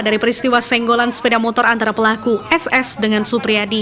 dari peristiwa senggolan sepeda motor antara pelaku ss dengan supriyadi